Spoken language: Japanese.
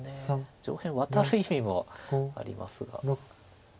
上辺ワタる意味もありますが。